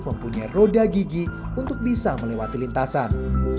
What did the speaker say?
mempunyai roda gigi untuk bisa melewati lintasan